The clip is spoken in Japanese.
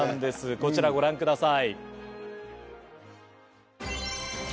こちらご覧ください。